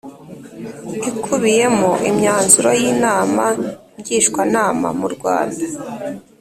ikubiyemo imyanzuro y Inama Ngishwanama murwanda